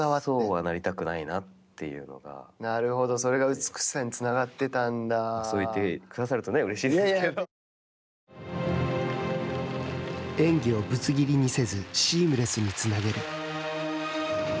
そうはなりたくないなというのなるほど、それが美しさにつなそう言ってくださるとうれしい演技をぶつ切りにせずシームレスにつなげる。